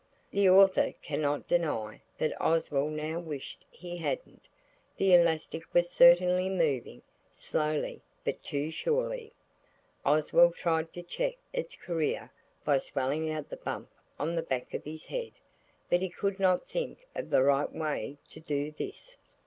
The author cannot deny that Oswald now wished he hadn't. The elastic was certainly moving, slowly, but too surely. Oswald tried to check its career by swelling out the bump on the back of his head, but he could not think of the right way to do this.